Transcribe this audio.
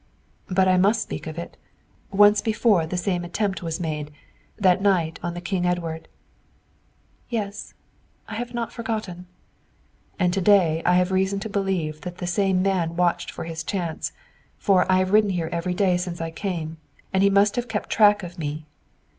"But I must speak of it! Once before the same attempt was made that night on the King Edward." "Yes; I have not forgotten." "And to day I have reason to believe that the same man watched his chance, for I have ridden here every day since I came, and he must have kept track of me."